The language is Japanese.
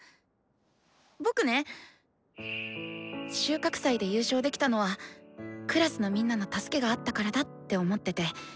僕ね収穫祭で優勝できたのはクラスのみんなの助けがあったからだって思ってて。